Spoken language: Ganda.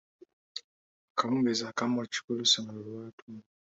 Akawungeezi akamu olukiiko lw'essomero lwatuula.